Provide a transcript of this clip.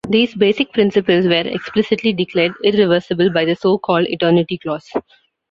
These basic principles were explicitly declared irreversible by the so-called eternity clause.